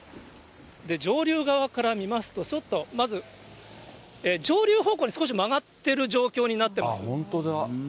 上流側から見ますと、ちょっと、まず、上流方向に少し曲がってる状況になってます。